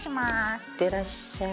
いってらっしゃい。